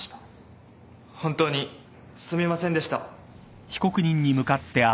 本当にすみませんでした。